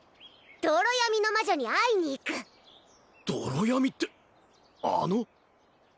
泥闇の魔女に会いに行く泥闇ってあの？